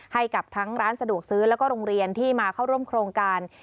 ให้กับทั้งร้านสะดวกซื้อแล้วก็โรงเรียนที่มาเข้าร่วมโครงการ